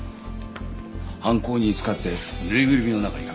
犯行に使ってぬいぐるみの中に隠したんだ。